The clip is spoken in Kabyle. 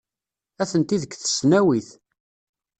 Atenti deg tesnawit.